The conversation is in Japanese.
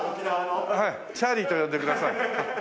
チャーリーと呼んでください。